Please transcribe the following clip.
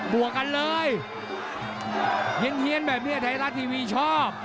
บวกกันเลยเฮียนแบบนี้ไทยรัฐทีวีชอบ